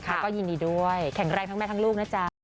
แล้วก็ยินดีด้วยแข็งแรงทั้งแม่ทั้งลูกนะจ๊ะ